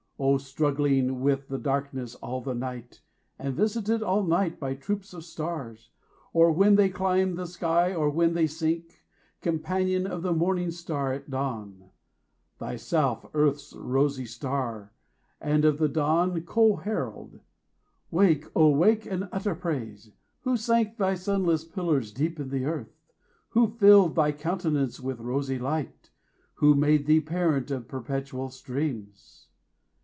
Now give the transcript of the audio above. O struggling with the darkness all the night, 30 And visited all night by troops of stars, Or when they climb the sky or when they sink: Companion of the morning star at dawn, Thyself Earth's rosy star, and of the dawn Co herald: wake, O wake, and utter praise! 35 Who sank thy sunless pillars deep in Earth? Who filled thy countenance with rosy light? Who made thee parent of perpetual streams?